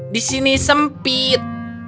di sini sempit